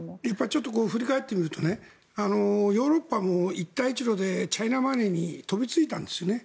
ちょっと振り返ってみるとヨーロッパも一帯一路でチャイナマネーに飛びついたんですよね。